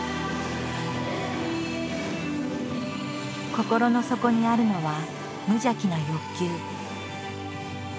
心の底にあるのは無邪気な欲求。